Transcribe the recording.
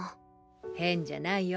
変じゃないよ。